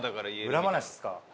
裏話ですか？